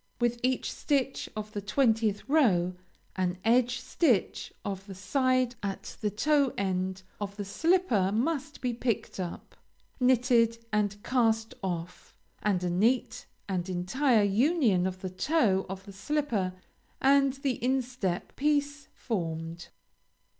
With each stitch of the twentieth row, an edge stitch of the side at the toe end of the slipper must be picked up, knitted and cast off, and a neat and entire union of the toe of the slipper and the instep piece formed.